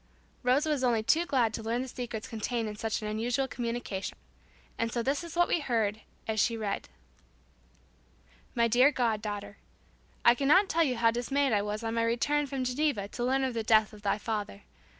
Rosa was only too glad to learn the secrets contained in such an unusual communication. And so this is what we heard as she read: "My dear god daughter: I cannot tell you how dismayed I was on my return from Geneva to learn of the death of thy father.